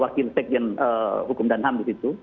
wakil sekjen hukum dan ham di situ